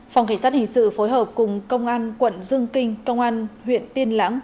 phòng cảnh sát hình sự phối hợp cùng công an quận dương kinh công an huyện tiên lãng